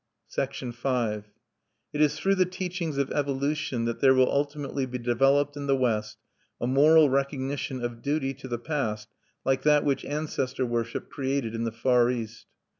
(1) Kalevala; thirty sixth Rune. V It is through the teachings of evolution that there will ultimately be developed in the West a moral recognition of duty to the past like that which ancestor worship created in the Far East.